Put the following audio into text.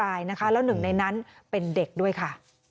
รายนะคะแล้วหนึ่งในนั้นเป็นเด็กด้วยค่ะ